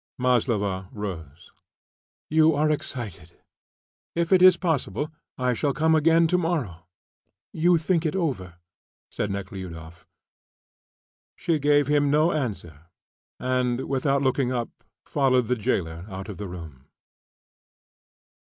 Maslova rose. "You are excited. If it is possible, I shall come again tomorrow; you think it over," said Nekhludoff. She gave him no answer and, without looking up, followed the jailer out of the room.